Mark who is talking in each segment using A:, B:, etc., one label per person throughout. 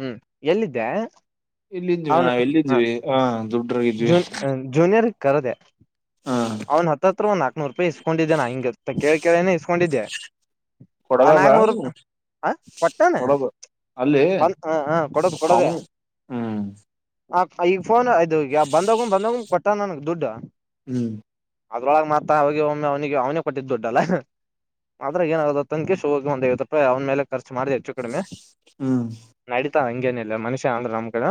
A: ಹ್ಮ್ ಎಲ್ಲಿದ್ದೆ.
B: ಎಲ್ಲಿದ್ವಿ ನಾವವು ಎಲ್ಲಿದ್ವಿ ಹಾ ದುಡ್.
A: ಜನ್ ಜೂನಿಯರ್ ಕರದೆ
B: ಹ
A: ಅವ್ನ್ ಹತ್ತತ್ರ ಒನ್ ಹಕ್. ಎ ನೂರು ರೂಪಾಯಿ ಇಸ್ಕೊಂಡಿದ್ದೆ ನಾಗ ಕೇಳ ಕೇಳೇನೆ ಇಸ್ಕೊಂಡಿದ್ದೆ. ಅ
B: ಕೊಡಗದ
A: ನಾಗನೂರು ಹ ಪಟ್ಟಣ.
B: ಕೊಡಗು ಅಲ್ಲಿ
A: ಮಲ್ ಹ ಹಾ ಕೊಡದು ಕೊಡದ.
B: ಅವು ಹ್ಮ್
A: ಆ ಈಗಫೋನ್ ಇದು ಈಗ ಬಂದೋಗ ಬಂದೋಗ ಕೊಟ್ಟ ನನ್ ದುಡ್ಡು.
B: ಹ್ಮ್.
A: ಅದ್ರೊಳಗ ಮಾತ್ರ ಅವಿಗೆ ಒಮ್ಮೆ ಅವನಿಗೆ ಅವನೇ ಕೊಟ್ಟಿದ್ದು ದುಡ್ಡಲ್ಲ. ಆದ್ರೆ ಏನಾಗದ ತಕಿ ಶ ಹೋಗ ಒಂದ್ಐವತ್ತು ರೂಪಾಯಿ್ ಮೇಲೆ ಖರ್ಚ ಮಾಡಿ ಹೆಚ್ಚು ಕಡಿಮೆ.
B: ಹ್ಮ್.
A: ನಡೀತಾ ಹಂಗೇನಿಲ್ಲ ಮನುಷ್ಯ ಅನ್ ನಮ್ಡೆ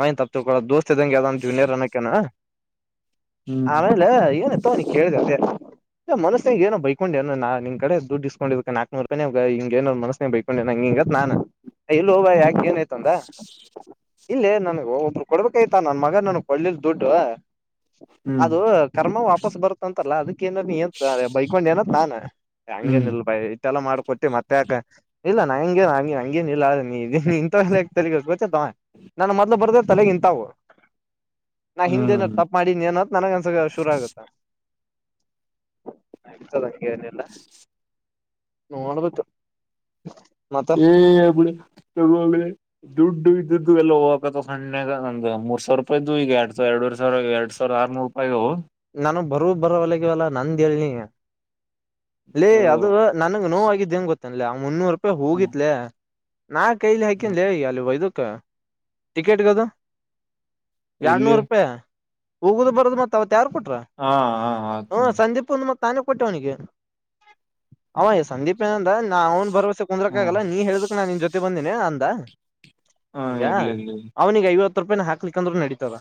A: ಅವನ್ ತೊಕೋ ದೋಸ್ತ ಇದಂಗ್ ಯಾವ್ದ್ ಜೂನಿಯರ್ ಅನೋಕನ.
B: ಹ್ಮ್
A: ಆಮೇಲೆ ಏನ ತೋನಿ ಕೇಳಿದೆ ಅಂತೆ. ಮಸ್ಸನ ಏ ಬೈಕೊಂಡ ಏ ನಾ ನಿನ್ ಕಡೆ ದುಡ್ಡಿಸಕೊಂಡ ನಾಕಕ್ ರೂಾಯಿ ಹಂಗ ಏನನ್ ಮಸ್ಸನಾಗ ಬೈಕೊಂಡೆ ನಂ. ಹಂಗತ್ ನಾನು ಎಲ್ಲ ಹೋವ ಯಾಕ ಏನ್ ಆಯ್ತಂದ. ಇಲ್ಲೇ ನನ್ ಒಬ್ರು ಕೊಡ್ಬೇಕಾಯ್ತಾ ನನ್ ಮಗ ನನ್ ಕೊಡ್ಲಿಲ್ ದುಡ್ಡು.
B: ಹ್ಮ್
A: ಅದು ಕರ್ಮ ವಾಪಸ್ ಬರುತ್ತ ಅಂತಲ್ಲ ಅದಕ್ಕ ಬೈಕೊಂಡ ಏನ ತಾನ.
B: ಹ್ಮ್
A: ಹಂಗೇನಲ್ ಬಾಯ. ಎಲ್ಲ ಮಾಡ್ಕೊತಿ ಮತ್ತೆಕ ಇಲ್ಲ ನಂಗೆಂ ಹಂಗೇನ್ ಇಲ್ಲ ಅ ನೀ ಇಂತ ತಗಬ. ನಾನ ಮೊದ್ಲು ಬರ್ದ ತಲೆಗೆ ಇಂತವು ನಾ ಹಿಂದ ಏನ
B: ಹ್ಮ್
A: ತಪ್ಪಪ್ ಮಾಡಿ ಏನ. ನನಗ ಒಂದಸಗ ಶುರು ಆಗುತ್ತ ಆಯತದಂಗೆಏನೆಲ್ಲ. ನೋಳ ಬ.
B: ಎ ಸ ಆದದುಡ್ [inaudible] ಇದು ಎಲ್ಲ ಹೋಗ್ಕತ ಸಣ್ಣಾಗ ನಂದು ಮೂ ಸಾವರ ರೂಪಾಯ ಇದ್ದು ಈಗ ಎಡ್ ಸಾವಿರಡುರ್ ಸಾವಿರ ಎರಡ್ ಸಾವರ ಆರ್ನೂರು ರೂಾಯಗ [inaudible]
A: ನಾನು ಬರುವ ಬರೋಲಗೆವಲ್ಲ ನಂದ ಹೇಳೀನಿ. ಲ್ಲೇ ಅದು ನನ್ಗ್ ನೋವೂಆಗಿದ್ದೇಂಗ ಗೊತೆನೇಲ ಮುನ್ನೂರು ರೂಪಾಯಿ
B: ಹ್ಮ್
A: ಹೋಗಿತ್ಲ. ನಾ ಕೈಲಿ
B: ಹ್ಮ್
A: ಹಾಕನ್ ಅಲ್ಲಿ ಇದಕ್ಕ ಟಿಕೆಟ್ಗದು.
B: ಇಲ್ಲಿ
A: ಎರಡ್ನೂರು ರೂಪಾಯಿ ಹೋಗುದು ಬರದು ಮತ್ತ. ಯಾರ ಕೊಟ್ರ
B: ಹಾ ಹಾ
A: ಹ
B: ಆತ
A: ಸಂದೀಪ್ಂದ ಮತ್ ನಾನ ಕೊಟ್ಟೆ ಅವನಿಗೆ. ಹಯ ಸಂದೀಪ್ ಏನಂದ ನಾ ಅವ್ನ್ ಭರವಸೆ ಕುಂದ್ರಕ
B: ಹ್ಮ್
A: ಆಗಲ್ಲ ನೀ ಹೇಳ್ದಕ್ ನಾನ್ ನಿನ್ ಜೊತೆ ಬಂದೇನನೆ ಅಂದ.
B: ಹಾ
A: ಈಗ
B: ಇರ್ಲಿ ಇರ್ಲಿ
A: ಅವನಿಗೆ ಐವತ್ತು. ರೂಪಾಯ ಹಾಕ್ಲಿಕ್ಕಂದ್ರೆ ನಡತದ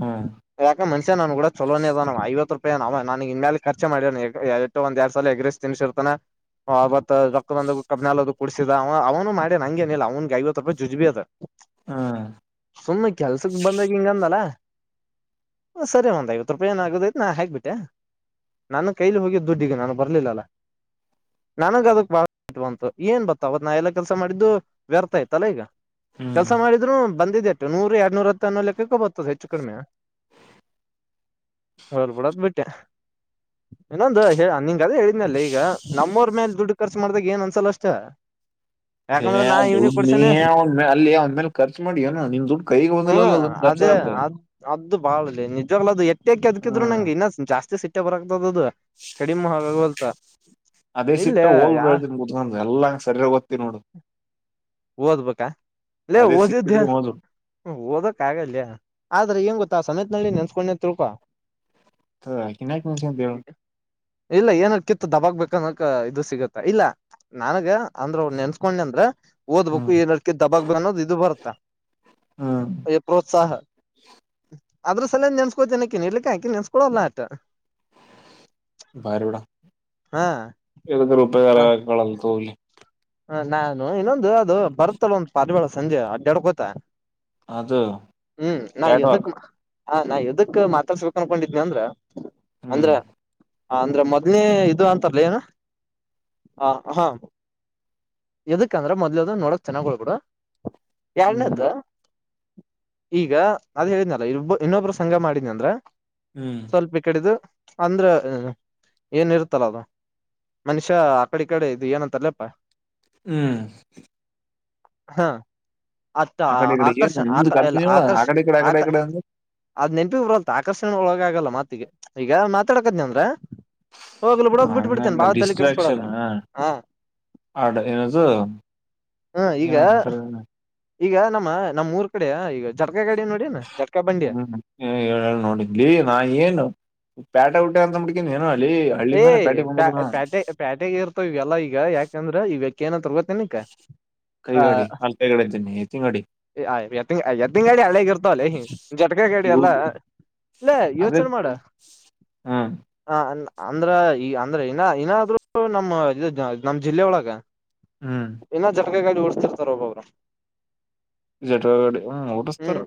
B: ಹ್ಮ್
A: ಯ [inaudible] ನಾನು ಕೂಡ ಚಲೋದ ಐವತ್ತು ರೂಪಾಯಿ ಅವ ನನ್ ಇನ್ ಮೇಲೆ ಕರ್ಚ ಮಾಡಿದ. ಒಂದ ಎರಡ್ ಸಲಲ್ ಎಗ್ರಿಸ್ ತಿನ್ರ್ತನ. ಅವತ್ ರಕ್ ಬಂದ ಕಬ್ನಾಲ ಅದದು ಕುಡಸಿದ ಅವ ಅವನು ಮಾಡ ನಂಗೆ ಏನಿಲ್ಲ ಅವನು ಐವತ್ತು ರೂಪಾಹಿ ಜುಜ್ಬಿ ಅದ.
B: ಹ್ಮ್
A: ಸುಮ್ಮನೆ ಕೆಲ್ಸಕ್ ಬಂದಾಗ ಹಿಂಗಂದಲ್ಯ. ಸರಿ ಒಂದ್ ಐವತ್ತು ರೂಪಾಯಿ ಏನ ಆದೈ್ತು ನಾ ಹಾಕ್ಬಿಟ್ಟೆ ನಾನು ಕೈಲಿ ಹೋಗಿದ್ದ. ದುಡ್ಡಿಗೆ ನಾನು ಬರ್ಲಿಲ್ಲಲ್ಲ. ನನಗ ಅದಕ್ ಬಾಳ ಇಟ್ವಂತು ಏನ್ ಬತ್ತ ಅವತ್ ನಾ ಎಲ್ಲ ಕೆಲ್ಸ ಮಾಡಿದ್ದು ವ್ಯರ್ಥ ಆತಲ್ಲಾ ಈಗ
B: ಹ್ಮ್
A: ಕೆಲ್ಸ ಮಾಡಿದ್ರು ಬಂದಿದ್ದೆಟ್ಟು ನೂರ್ ಎರಡ್ನೂರ ಹತ್ತ ಅನ್ನೋ ಲೆಕ್ಕಕ್ಕ ಬತದೆ ಹೆಚ್ಚು ಕಡಿಮೆ ಹೊರ್ಬಡತ್ ಬಿಟ್ಟೆ ಇನ್ನೊಂದು ಹೇಳ ಗದ ಹೇಳಿದ್ನಲ್ಲ ಈಗ ನಮ್ಮವ್ರ ಮೇಲೆ ದುಡ್ಡು ಖರ್ಚು ಮಾಡ್ದಾಗ ಏನ್ ಅಂದಸಲ ಅಷ್ಟ
B: ಹೇ
A: ಯಾಕಂದ್ರೆ ನಾ ಇವ್ನಿಗೆ
B: ದುಡ್
A: ಕೊಡ್ಸೇನೆ
B: ನೀಂದ ಅಲ್ಲಿಂದ್ಮೇಲೆ ಖರ್ಚು ಮಾಡಿ ಅ ನಿನ್ ದುಡ್ ಕೈಗೆ ಬಂದಿಲ್ಲ ಖರ್ಚ
A: ಅೇ ಅ್ ಅದು ಬಾಳಲ್ಲಿ ನಿಜವ್ಲ ಅದು ಎಟ್ಟ ಎಕ
B: ಹಾ
A: ಅದಕಿದ್ರು ನಂಗಗೆ ಇನ್ನ ಜಾಸ್ತಿ ಸಿಟ್ಟೆ ಬರಗ್ತದ ಅದು ಕಡಿಮ ಹಾಗ ಗೋಲ್ತಾ
B: ಅದೇ ಸಿಟ್ಟ ಹೋಲ್ ಡಾನ್ ಮುಂದ ಎಲ್ಲಾಂಗ ಸರಿಯಾಗ ತ್ತ ನೋಡು
A: ಓದ್ಬೇಕಾ ಇಲ್ಲೇ
B: ಅದೇ
A: ಓದಿದ್ದ
B: ಸಿಕ್ಕಿಡ್ರಿ ಹೋದ್ರು
A: ಓದಕ್ ಆಗಲ್ಲ ಅ್ರೆ ಏಂಗ ಗೊತ್ತ ಆ ಸಮೇತನಲ್ಲಿ ನೆನ್ಸ್ಕೊಂಡೆ ತ ತಿರುಕಾ
B: ಕಿನ್ಯಾಕ್ ನಿನ್ಸ್ಕೊಂತ ಹೇಳು
A: ಇಲ್ಲ ಏನ ಕಿತ್ತು ದಬಕ್ಬೇಕು ಅಕ್ಕನಕ ಇದು ಸಿಗುತ್ತ ಇಲ್ಲ ನನ್ಗ ಅಂದ್ರ ನೆನ್ಸ್ಕೊಂಡಿ ಅಂದ್ರ ಓದ್ಬೇಕು
B: ಹ್ಮ್
A: ಏನ್ ಅಡ್ಕ ದಬಾಗ ಬ ಅನ್ನೋದು ಇದು ಬರತ್ತಾ
B: ಹ್ಮ್
A: ಅ ಪ್ರೋತ್ಸಾಹ ಅದ್ರ ಸಲೇ ನೆನ್ಸ್ಕೋತಿನನಕ್ಕೆಿಡ್ಲಿಕ್ಕೆ ಹಾಕಿ ನೆನ್ಸ್ಕೊೋಲ್ಲ ಅಟ
B: ಭಾರಿಡ
A: ಹಾ
B: ರೂಪರಳಲ್ಲ ತೋಲ
A: ಹ ನಾನು ಇನ್ನೊಂದು ಅದು ಬರುತ್ತಲ್ಲ ಒಂದ್ ಪಲ್ ಬೇಳ ಸಂಜೆ ಅಡ್ ಎಡ್ಗೋತ
B: ಅದು
A: ಹ್ಮ್ ನಾ
B: ಕ್ಯಾಟ್ ವಾಕ್
A: ಎದುಕ್ಕ ಮಾ ಹ ನಾ ಯುದಕ್ ಮಾತಾಡ್ಸ್ಬೇಕ ಅನ್ಕೊಂಡಿದ್ನಿ ಅಂದ್ರ
B: ಹ್ಮ್
A: ಅಂದ್ರ ಹ ಅಂದ್ರೆ ಮೊದ್ನೇ ಇದು ಅಂತಾರಲ್ಲ ಏನ ಹ ಹಾ ಎದಕ್ಕಂದ್ರ ಮೊದ್ಲುದ ನೋಡಕ್ ಚೆನ್ನಾಗ್ ಹೊಳ್ಗಡು
B: ಹ್ಮ್
A: ಎಾರ್ನೇತ್ ಈಗ ಅದ್ ಹೇಳಿದ್ನಲ್ಲ ಇಬ ಇನ್ನೊಬ್ರು ಸಂಘ ಮಾಡಿನಿ ಅಂದ್ರ
B: ಹ್ಮ್
A: ಸ್ವಲ್ಪ ಕಡೆಿದು ಅಂದ್ರೆ ಏನಿರುತ್ತಲ್ಲ ಅದು ಮನುಷ್ಯ ಆಕಡೆ ಈ ಕಡೆ ಇದು ಏನಂತಲ್ಲೇ ಹ
B: ಹ್ಮ್
A: ಹಾ ಆತ್ತ
B: ಆ ಕಡೆ ಈ ಕಡೆ ಏನ್
A: ಆಕರ್ಷ ಆಕ
B: ನಿಮ್ದು
A: ಎಲ್ಲ
B: ಕಂಪ್ನಿ ಹೇಳ ಆ
A: ಆಕರ್ಷ
B: ಕಡೆ ಈ ಕಡೆ ಆ ಕಡೆ
A: ಆಕ
B: ಈ ಕಡೆ ಅಂದ್ರೆ
A: ಅದ್ ನೆನಪಿ ಬರಂತ ಆಕರ್ಷಣೆೊಳಗ ಆಗಲ್ಲ ಮಾತಿಗೆ ಈಗ ಮಾತಾಡಕದನಿ ಅಂದ್ರ ಹೋಗ್ಲು ಬಿಡಕ್ ಬಿಟ್ಟ ಬಿಡ್ತೇನೆ
B: ಹಂಗಂಗ
A: ಬಾಳ ತಲೆ ಕೆಡಿಸಸ್ಕೊಡಲ್ಲ
B: ಡಿಸ್ಟ್ರಾಕ್ಷನ್
A: ಹಾ
B: ಆಡ ಏನದುು
A: ಹ
B: ಏನು
A: ಈಗ
B: ಸರಿ
A: ಈಗ ನಮ್ಮ ನಮ್ಮ್ ಊರ್ ಕಡ ಈಗ ಜರ್
B: ಹ್ಮ್ ಹೇಳಳ್ ನೋಡಿದ್ಲಿ ನಾ ಏನು ಪೇಟೆ ಊಟ ಅಂತ ಮುಡ್ಕೀಿ ಏೋ
A: ಏ್ ಪ ಪ್ಯಾಟೆ ಪ್ಯಾಟೆೆಗೆ ಇರ್ತಾವ ಇವೆಲ್ಲಾ ಈಗ ಯಾಕಂದ್ರೆ ಈ್ಯ ಕ ಏನಂತ ಗತ್ತನಿಕಾ
B: ಕೈ ಗಾಡಿ ಅಲ್ಗಡೆ ಇದ್ದೇನೆ
A: ಎತ್ತ ಎತ್ತಿನಂಗಡಿ ಹಳೆಗ ಇರ್ತವಲ್ಲ ಜಟಕ ಗಡಿ
B: ಇವು
A: ಎಲ್ಲಾ ಇಲ್ಲೇ
B: ಅದೇ
A: ಯೋಚನೆ ಮಾಡ
B: ಹ್ಮ್
A: ಹ ಅಂದ್ರ ಈ ಅಂದ್ರೆ ಇನ್ನ ಏನಾದ್ರರು ನಮ್ಮ ಇದ ನಮ್ ಜಿಲ್ಲೆ ಒಳಗ
B: ಹ್ಮ್
A: ಇನ್ನ ಓಡಸ್ತಿರ್ತಾರ ಒಬ್ಬೊಬ್ರು
B: ಜಟುವಗಡಿ ಹ್ಮ್ ಊಟಸ್ತಾರ
A: ಹ್ಮ್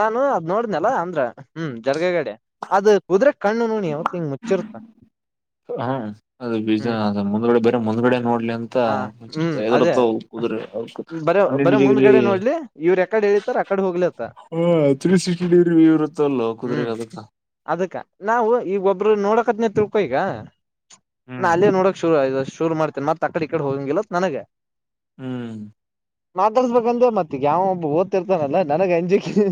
A: ನಾನು ಅದ್ ನೋಡ್ನಲ್ಲ ಅಂದ್ರ ಹ್ಮ್ ಜರ್ಗಗಡೆ ಅದ ಕುದು್ರಕ್ ಕಣ್ಣು ನೋಡಿಿ ಅವಕ್ ಹಿಂಗ ಮು ಹ
B: ಹ್ಮ ಅದ ಬಜ ಅ ಮುಂದ್ಗಡೆ ಬೇರೆ ಮುಂದ್ಗಡೆ ನೋಡ್ಲಿ ಅಂತ
A: ಹ
B: ಮುಂರ್ತ
A: ಹ್ಮ್ ಅದೇ
B: ಎದ್ರತ
A: ಬರ ಬರ ಮುಂದ್ಗಡೆ ನೋಡ್ಲಿ ಇವ್್ರ ಯಕಡೆ ಹೇಳತಾರ ಅಕಡೆ ಹೋಗ್ಲಿತ್ತ
B: ಹಾ ತ್ರೀ ಸಿಕ್ಟಿ ಡಗ್ರವ ಇರುತ್ತ ಅಲ್
A: ಹ್ಮ್
B: ಕುದುರೆಗ್ ಅದತ್ತಾ
A: ಅದಕ್ಕ ನಾವು ಈ ಒಬ್ಬರು ನೋಡಕ್ ಹತ್ನ ತಿಕ ಈಗ ನ
B: ಹ್ಮ್
A: ಅಲ್ಲೇ ನೋಡಕ್ ಶುರು ಆಯ ಅಷ್ಟು ಶುರು ಮಾಡ್ತೇನ ಮತ್ತತ್ ಆ ಕಡೆ ಈ ಕಡೆ ಹೋಗಂಗಿಲ್ಲತ್ ನನಗೆ
B: ಹ್ಮ್
A: ಮಾತಾಡ್ಸ್ಬೇಕಂದೆ ಮತ್ತ ಯಾವ ಒಬ್ಬ ಓದತಿರ್ತಾನಲ್ಲಾ ನನಗ್ ಅಂಜಕ್ಕೆೆ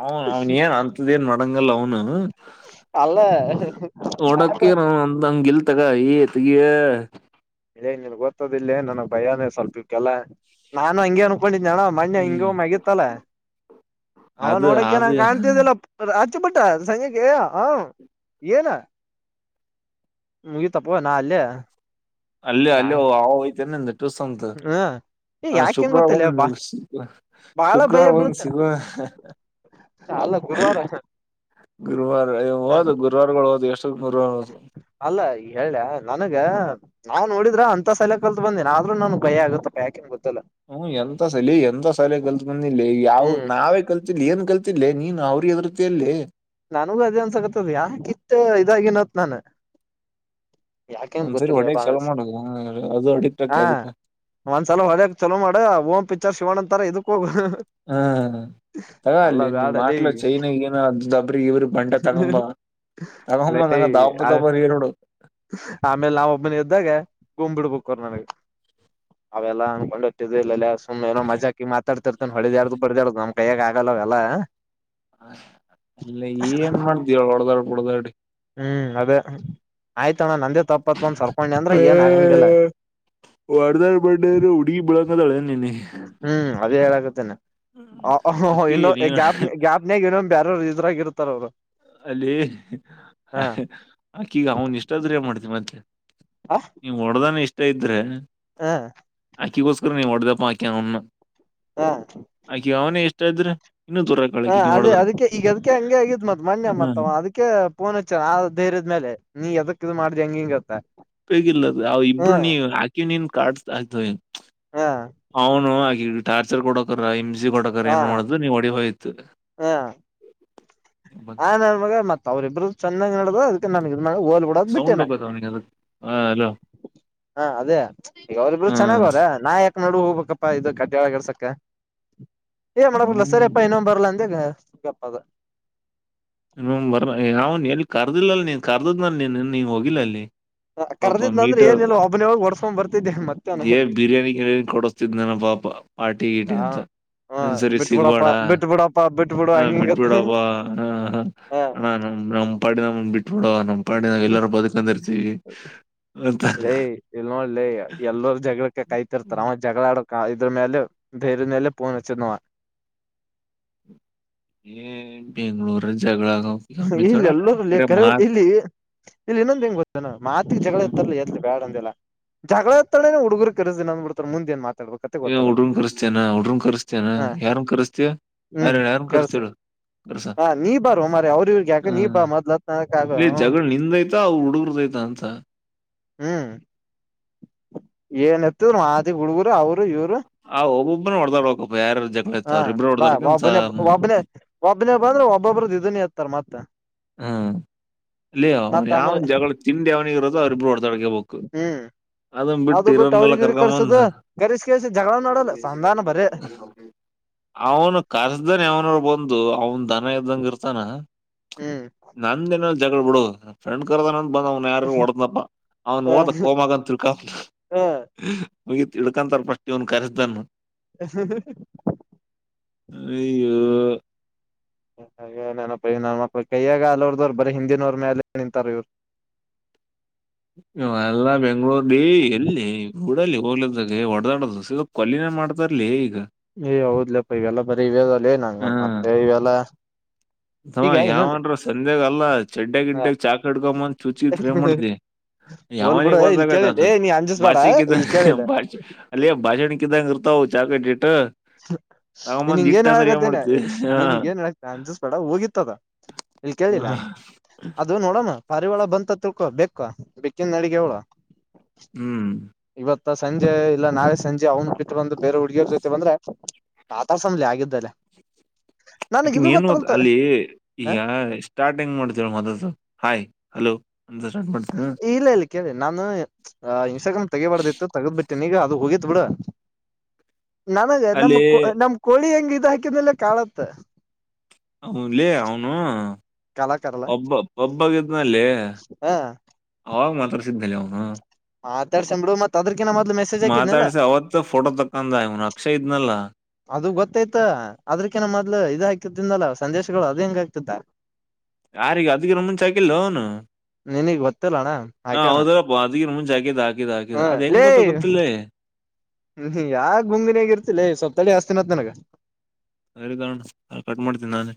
B: ಅವನು ಅವನ್ ಏನ್ ಅಂತ್ದ ಏನ್ ಮಾಡಡಂಗಲ್ಲ ಅವನು
A: ಅಲ್ಲ
B: ಒಡಕ್ಕ ನ ಅಂಗಗೆಲ್ತಗ ತಿಗೆ
A: ಇಲ್ಲ ಇ ಗೊತ್ತದಿಲ್ಲೇ ನನಗ್ ಭಯನೇ ಸ್ವಲ್ಪಕ್ಕೆಲ್ಲ ನಾನು ಹಂಗಗೆನು ಹಕೊಂಡಿದ್ದ ಜನ ಮನ್ ಹಿಂಗ
B: ಹ್ಮ್
A: ಮಗತ್ತಲ್ಲ ಅವ
B: ಅದು
A: ನೋಡಕ ನಾ
B: ಅದು
A: ಕಾಣ್ತಿದ್ದಿಲ್ಲ ಕಚ್ಚಪಟ್ಟ ಸಂಕ್ಕೆ ಹ ಏನ ಹಗ ತಪ್ಪ ನಾ ಅಲ್ಲೇ
B: ಅಲ್ಲಿ
A: ಯಾ
B: ಅಲ್ಲಿ ಆ ಹೋಗ್ತನೆ ನಿ ಟುಸ್ ಅಂತ
A: ಹ್ಮ ಏ
B: ಹ
A: ಯಾಕೆ ಹೆಂಗ್
B: ಶುಕ್ರವಾರ
A: ಗೊತ್ತಲ್ಲ ಬಾ
B: ಒಂದು ಸಿಗ
A: ಬಾಳ ಭಯ
B: ಶುಕ್ರವಾರ ಬಂದು
A: ಬೀಳುತ್ತೆ
B: ಸಿಗುವ
A: ಅಲ್ಲ ಗುರುವಾರ
B: ಗುರುವಾರ
A: ಹ
B: ಹಓದು ಗುರುವಾರಗಳು ಹೋದು ಎಷ್ಟು ಗುರುವಾರ ಹೋದು
A: ಅಲ್ಲ ಹೇಳ್ಯ ನನಗ ನಾವು ನೋಡ್ರ ಅಂತ ಸಯ ಕಲ್ತ್ ಬಂದಿನಿ ಆದ್ರೂ ನನ್ಗೆಯ ಆಗುತ್ತಪ್ಪ ಯಾಕೆ ಗ
B: ಹ್ಮ ಎಂತ ಸಲ ಎಂತ ಸಲ ಕಲ್ತ್ ಬಂದಿಲ್ಲ ಯಾವವು
A: ಹ್ಮ್
B: ನಾವೇ ಕಲ್ತ್ ಏನು ಕಲ್ತಿಿಲ್ಲೇ ನೀನು ಅವ್ರ ಅದ್ರತಿಯಲ್ಲಿ
A: ನಾನೂಗ ಅದೇ ಅನ್ಸಗತ್ತದ ಯಾಕಿತ್ ಇದಾಗಿನತ್ ನಾನು
B: ಒಂದ್ಸರಿ ಹೊಡಕ್ ಚಲೋ ಮಾಡದು ಅದು ಅಡಿಕ್ಟ್ ಆಕೆ
A: ಹಾ
B: ಅದಕ್ಕ
A: ಒಂದ್ಸಲ ಹೊಲ್ಯಕ್ ಚಲೋ ಮಾಡ ಓ್ ಪಿಕ್ಚರ್ ಶಿವಣ್ಣ ಅಂತಾರ ಇದಕ್ ಹೋಗ
B: ಹ್ಮ್ ತದ
A: ಎಲ್ಲ
B: ಅಲ್ಲಿ ನಿಮ್
A: ಬ್ಯಾಡಲ್ಲಿ
B: ಮಾಟ್ಲು ಚೈನಾಗ ಏನೋ ಅ ಇವರು ಬಂಡೆ ತಗಂಬ ತಗಂಬ ನ ದಾಪ ತಪ ನೀರುಡು
A: ಆಮೇಲೆ ನಾವ ಒಬ್ಬನ ಎದ್ದಾಗ ಗೂಮ್ ಬಿಡ್ಬೇಕು ಅವರ್ ನನಗೆ ಅವೆಲ್ಲ ಅಂದಕೊಂಡ್ೋಗಟ್ಟಿದ್ ಇಲ್ಲ ಸುಮ್ಮನೆಏನೋ ಮಜಾಕಿ ಮಾತಾಡ್ತಿರ್ತ ನ ಹೊಳೆದ್ಯಾಡ್ದು ಬಡ್ದ್ಯಾಡ್ದ ನಮ್ ಕೈಯಾಗ ಆಗಲ್ಲವಲ್ಲ
B: ಹ ಅಲ್ಲ ಏನ್ ಮಾಡ್ದವ ಹೊಡದಾಡ್ ಹೊಡದಾಡಿ
A: ಹ್ಮ್ ಅದ ಆಯ್ತು ನಂದೆ ತಪ್ಪತ್ ಒಂದ ಸರ್ಕೊಂಡಿ ಅಂದ್ರೆ ಏನ್ ಆಗಂಗಿಲ್ಲ
B: ಕದಳ ನಿ ನೀ
A: ಹ್ಮ್ ಅದೇ ಹೇಳಾಗುತ್ತೇನೆ
B: ಅಕ್ಕಿ
A: ಇನ್ನು
B: ನೀನ್
A: ಗ್ಯಾಪ್ ಗ್ಯಾಪ್ನಾಗ ಇನ್ನೊ ಬೇಾರ ್ರಾಗಿ ಇರ್ತಾರ ಅವ್ರು
B: ಅಲ್ಲ ಆಕ ಈಗ ಅವನ್ ಇಷ್ಟ ಆದ್ರೆ ಮಾಡ್ತವಿ ಮತ್ತೆ ನೀವ ಹೊಡ್ದಾನ ಇಷ್ಟ ಇದ್ರೆ
A: ಹಾ
B: ಅಕ್ಕಿಗೋಸ್ಕರ ನೀ ಹೊಡದಪ್ಪ ಆಕಿ ಅವನ್ನ ಅಕಿ ಅವನ ಎಷ್ಟ್ರ
A: ಹಾ ಅದೇ ಅದಕ್ಕೆ ಈಗ ಅದಕ್ಕೆ ಹಂಗೆ ಆಗಿದ್ ಮದ್ ಪ್ಣೆ ಮತ್ತ ಅದಕ್ಕೆ ಪೋನ್ ಹಚ್ಚ ಆ ಧೈರ್ಯದ ಮೇಲೆ ನೀ ಎದಕ್ ಇ ಮಾಡ್ದಿ ಹೆಂಗಿಂಗತ್ತ
B: ಬೇಗಿಲ್ಲ ಅವ ಇಬ್ರು ನೀ ಹಾಕಿ ನೀನ್ ಕಾಡ್ ಆಯ್ತು
A: ಹ
B: ಅವನು ಹಾಗ ಟಾರ್ಚರ್ ಕೊಡಕರ ಹಮಸಿ ಕೊಡಕರ ಏನ್ ಮಾಡುದು್ ನೀವ್ ಹೊಡಿ ಹೋಯ್ತು
A: ಹಾ ಆ ನನ್ ಮಗ ಮತ್ ಅವ್ರಿಬ್ಬರು ಚೆನ್ನಾಗಿ ನಡ್ದ ಅದಕ್ಕೆ ನನ ನ ಹೋಲ್ ಬಿಡೋದು
B: ಸೌಂಡ್
A: ಬಿಟ್ಟೇನೆ
B: ಹೋಗತ್ ಅವನಿಗೆ ಅದಕ್ಕೆ ಹಲೋ
A: ಹಾ ಅದೇ ಈಗ ಅವ್ರಬ್ರು ಚೆನ್ನಾಗ ಅವ್ರ ನಾ ಯ ನೋಡ್ ಹೋಗಬೇಕಪ್ಪಾ ಇದು ಕಡ್್ಯಾಳ ಗರ್ಸಕ ಏ ಮಾಡ ಲಸರಿ ಅಪ್ಪಾ
B: ಹ್ಮ್
A: ಇನ್ನೊ್ ಬರ್ಲ ಎ ಸಪ್ಪ
B: ಇ ಬರ ಯಾವ ಎಲ್ಲಿ ಕರ್ದಿಲ್ಲಲ್ ನೀನ್ ಕರ್ದದ್ನ ನೀ ನೀ್ ಹೋಗಿಲ್ಲ ಅಲ್ಲಿ
A: ಹಾ
B: ಪಾಪ
A: ಕರ್ದಿದ್ ಅ್ರ
B: ಮೀಟರ್
A: ಏನಿಲ್ಲಲ್ಲ ಒಬ್ಬನವಾಗ ಓಡ್ಸ್ಕ್ ಬರ್ತತಿ
B: ಏ ಬಿರಿ್ಯಾನಿ ಕಯಿ ಕೊಡಸ್್ತಿದ್ ನನ ಪಾಪ ಪಾರ್ಟಿಗೀಟ
A: ಹ
B: ಅಂತ
A: ಹ
B: ಹ್ಮ ಸರಿ
A: ಬಿಟ್
B: ಸಿಗ್ಬೇಡ
A: ಬಿಡಪ್ಪಾ ಬಿಟ್ ಬಿಡಪ್ಪಾ ಬಿಟ್ ಬಿಡು
B: ಹ
A: ಹಂಗಿಂಗತ್ತ
B: ಬಿಟ್ಬಿಡಬ ಹ ಹಾನು ನಮ್ಮ ಪಾಡ ನ್ಂದ ಬಿಟ್ಬ ಮಾಡಡುವ ನಮ ಪಾಡಿನಾಗ ಎಲ್ಲರೂ ಬದುಕೊಂಡಿರ್ತೀವಿ ಅಂತ
A: ಲ್ಲಿ ಎಲ್ಲರು ಜಗಳ ಕ ಕೈತಿರ್ತಾರ ಅವ ಜಗಳ ಆಡ ಇದರ ಮೇಲೆ ಧೈರ್ಯ ಮೇಲೆ ಫೋನ್ ಅಚ್ಚಿದ ಆವಾ
B: ಏನ್ ಬೆಂಗಳೂರು ಜಗಳ
A: ಇಲ್ಲಿ
B: ಮಿತೋಣ
A: ಎಲ್ಲರ
B: ಬರೆ
A: ಕರೆ
B: ಮಾತ್
A: ಇಲ್ಲಿ ಇಲ್ಲಿ ಇನ್ನೊಂದ್ ಹೆಂಗ ಗೊತ್ತ ನ ಮಾತಿಗೆ ಜಗಳ ಇತ್ತಲ್ಲ ಯತ್ಲಿ ಬ್ಯಾಡ ಅಂದಿಲ್ಲ ಜಗಳ ಅಥನೇ ಹುಡುಗರು ಕರ್ಸ್ತೀನಿ ಅದ್ ಬಿಡತಾರ ಮುಂದೆನ್ ಮಾತು
B: ಹುಡುಗರನ್ ಕರೆಸ್ತೇನಾ ಹುಡುಗರನ್ ಕರ್ಸ್ತೇನಾ
A: ಹ
B: ಯಾರನ್ ಕರ್ಸ್ತೀಯಾ ಬೇರೆರ್ ಯಾರನ್ನು ಕರಿಸ್ತೇಲ್ಲೂ
A: ಅಣ್ಣ ನೀ ಬಾರೋ ಮಾರಾಯ ಅವ್ರ ಇವ್ರ ಯಾಕ್ ಯಾಕ್
B: ಹ
A: ನೀ ಬಾ ಮೊದ್ಲಂತ ಹ
B: ಇಲ್ಲಿ ಜಗಳ ನಿಂದೈತ ಅವ್ರ ಹುಡುಗರ್ದೈತ ಅಂತ
A: ಹ್ಮ್ ಏನ್ ಎತಿದ ಮಾದೀಗ ಹುಡುಗರು ಅವರು ಇವ್ರು
B: ಆ ಒಬ್ಬೊಬ್ಬನೇ ಹೊಡೆದಾಡಬೇಕು ಯಾರ ಜಗಳ ಇತ
A: ಹಾ
B: ಅವ್ರ ಇಬ್ರು ಹೊಡೆದಾಡಿಕ್ಯಂತ ಸಾ
A: ಆಗ್ ಒಬ್ಬರದೇ ಇದುನೇ ಎತ್ತರ ಎತ್ತುತಾರ್ ಮತ್ತೆ
B: ಹ್ಮ ಲೇ ಅವನ್
A: ಮತ್ ಆಮೇಲೆ
B: ಯಾವನ ಜಗಳ ತಿಂಡ ಅವನಿಗಿರೋದು ಅವರಿಬ್ರು ಹೊಡೆದಾಕ್ಯಬೇಕು
A: ಹ್ಮ್
B: ಅದನ್
A: ಅದು ಬಿಟ್ಟು
B: ಇರೋರ್ನೆಲ್ಲ
A: ಅವ್ರಿಗ್ ಇವ್ರಿಗ್
B: ಕರ್ಕೊಂಡ್
A: ಕರ್ಸದು
B: ಬಂದು
A: ಕರಿಸಿ ಕರ್ಸಿ ಜಗಳ ಮಾಡಲ್ಲ ಸಂಧಾನ ಬರೇ
B: ಅವನು ಕರ್ಸ್ದಾನ ಯಾವನೋನು ಬಂದು ಅವನು ದನ ದನ ಇದ್ದಂಗ ಇರ್ತಾನ
A: ಹ್ಮ್
B: ನಂದದೆನ್ ಜಗಳ ಬಿಡು ನನ್ ಫ್ರೆಂಡ್ ಕರ್ದನ್ ಬಂದ್ ಅವನ್ ಯಾರಾರು ಒಡನಪ್ಪ ಅವನು ಓದ
A: ಹ
B: ಕೋಮಗಂತೂ ತಿಳ್ಕೋ ಹೋಗಿ ತಿಳ್ಕಂತಾನ ಫಸ್ಟ್ ಇವ್ನ್ ಕರಿಸಿದವನ್
A: ಹಾ.. ಹಾ..
B: ಆಯೋ..
A: ನಮಪ್ಪ ಕೈಯ್ಯಾಗ ಆಗಲಾರದವರು ಬರೇ ಹಿಂದಿನವ್ರ ಮೇಲೆ ನಿಂತಾರ ಇವ್ರು [inaudible]
B: ಇವೆಲ್ಲಾ ಎಲ್ಲಾ ಬೆಂಗಳೂರ್ಲ್ಲಿ ಎಲ್ಲಿ ಬಿಡಲ್ಲಿ ಹೋಗಲೇ ಆಚಕ ಎನ್ನಡದ ಸಿದ ಅಲ್ಲಿ ಕೊಲೆನೇ ಮಾಡ್ತಾರಲೇ ಈಗ
A: ಏ ಹೌದ್ಲಪ್ಪ ಇವೆಲ್ಲ ಬರ
B: ಹಾ
A: ಇವೆಲ್ಲಲ್ಲ ಇವೆಲ್ಲಾ
B: ತಮ್ಮ
A: ಈಗ ಇನ್ನೊಂದ
B: ಯಾವನಾದ್ರು ಸಂಧ್ಯಾಗ ಅಲ್ಲ ಚಡ್ಯಾಗ್
A: ಹ
B: ಗಿಡ್ಡೆಗ್ ಚಾಕ್ ಇಡ್ಕೊಂಬಂದ ಚುಚ್ಚಿದರ್ ಏನ್ ಮಾಡ್ತಿ
A: ಹೋಲ್
B: ಯಾವನಿ
A: ಬಿಡ ಇಲ್
B: ಬಂದಾಗ
A: ಕೇಳಿಲ್ಲ ಏ
B: ಅ
A: ನೀ ಅಂಜಸ್ಬೇಡ
B: ಬಾಚಿ
A: ಇಲ್ ಕೇಳಿಲ್ಲ
B: ಅಲ್ಲ ಭಾಷಣಕಿದಂಗ ಇರ್ತ ಅಲ್ಲಾ ಲೇ ಹೌ ಚಕಟ್
A: ನೀನ್ಗ ಏನ್ ಹೇಳ
B: ಅಂದ್ರೆ
A: ಕತೀನಿ
B: ಮಾಡ್ತಿ ಹಾ
A: ಅಸ್ಬೇಡ ಬೇಡ ಕೋಡ ಹೋಗಿತ್ತದ ಇಲ್ಲಿ
B: ಹಾ.
A: ಕೇಳಿಲ್ಲ ಅದು ನೋಡಣ ಪಾರಿವಾಳ ಬಂತ ತಿಳ್ಕೊ ಬೇಕ ಬೇಕಿನ್ ಅಡಿಗೆ ಅವಳ
B: ಹ್ಮ್
A: ಇವತ್ ಸಂಜೆ ಇಲ್ಲ ನಾಳೆ ಸಂಜೆ ಅವ್ನ್ ಬಿಟ್ಟ ಬಂದು ಬೇರೆ ಹುಡ್ಗಿಯರ ಜೊತೆ ಬಂದ್ರೆ ಮಾತಾಡ್ಸಮ್ ಆಗಿದ್ದಗಲ್ಲಿ
B: ಆಕನ್ ಏನ್ ಅಲ್ಲಿ ಈಗ ಸ್ಟಾರ್ಟಿಂಗ್ ಮಾಡೋತವ ಮೊದ್ದ ಹಾಯ್ ಹಲೋ ಅಂತ ಸ್ಟಟ್ ಮಾಡ್ತೀವಿ
A: ಇಲ್ಲ ಇಲ್ಲಿ ಕೇಳಿ ನಾನು ಇನ್ಟಾಗ್ರಾಮ್ ತೆಗಿಬಾರ್ದಿತ್ತು ತಗದ್ ಬಿಟ್ಟೆನೆ ಈಗ ಅದು ಹೋಗಿತ್ ಬಿಡು ನನಗೆ ನಮ್
B: ಅಲ್ಲಿ
A: ನಮ ಕೋಳಿ ಹೆಂಗ್ ಇದ ಹಾಕಿದಲ್ಲ ಕಾಣವಲ್ತ್
B: ಅವ್ನ್ ಲೇ ಆಔನು
A: ಕಾಲಾಕಾರಲ್ಲ
B: ಒಬ್ಬ ಒಬ್ಬವ ಇದ್ನಲ್ಲಿ
A: ಹ
B: ಅವಾಗ ಮಾತಾಡ್ಸಿದನಲ್ಲಿ ಅವ
A: ಮಾತಾಡಸಮ್ ಲೇ ಮತ್ ಅದರಕ್ಕಿಂತ
B: ಮಾತಾಡ್ಸ ಅವತ್ ಫೋಟೋ ತಕಂದ ಇವನ್ ಅಕ್ಷಯ್ ಇದ್ನಲ್ಲ
A: ಅದು ಗೊತ್ತಾಯ್ತ ಅದಕ್ಕಿಂತ ಮೊದ್ಲು ಇದಕಿದ್ನಲ್ಲ ಸಂದೇಶಗಳು ಅದು ಹೆಂಗ ಹಾಕ್ತಿದ
B: ಯಾರಗೆ ಅದಕ್ಕಿಂತ ಮುಂಚೆ ಹಾಕಿಲೋ ಅವನು
A: ನಿನಗ್ ಗೊತ್ತಿಣ್ಣ ಹಾಕ್ಯನಾ
B: ಅದರಕ್ಕಿಂತ ಮುಂಚೆ ಹಾಕಿದ ಹಾಕಿದ ಅದ ಹೆಂಗ ಗೊತ್ತ ಗೊತ್ತಿಲ್ದೆ
A: ಹ್ಮ್ ಯಾ ಗುಂಗಿನ್ಯಾಗ ಇರ್ತಿ ಲೇ ಸ್ವಲ್ಪ ತಡಿ ಹಸ್ತಿನತ್ ನಿನಗ್
B: ಸರಿ ತಗಣ್ಣ ಕಟ್ ಮಾಡ್ತೀನಿ ನಾನೇ